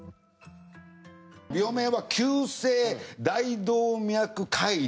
病名は、急性大動脈解離。